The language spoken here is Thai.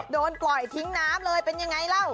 โดนปล่อยทิ้งน้ำเลยเป็นอย่างไรเหรอ